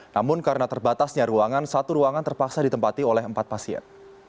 namun karena terbatasnya ruangan satu ruangan terpaksa ditempati oleh empat pasien